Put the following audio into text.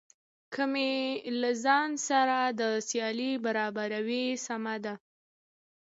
که مې له ځان سره د سیالۍ برابر وي سمه ده.